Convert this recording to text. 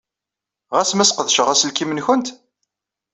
Ɣas ma sqedceɣ aselkim-nwent?